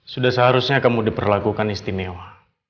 sudah seharusnya kamu diperlakukan istimewa